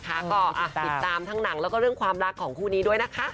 ก็ติดตามทั้งหนังแล้วก็เรื่องความรักของคู่นี้ด้วยนะคะ